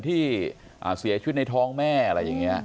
ที่เสียชีวิตในท้องแม่อะไรอย่างนี้